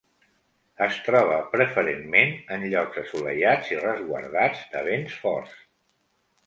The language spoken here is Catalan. Es troba preferentment en llocs assolellats i resguardats de vents forts.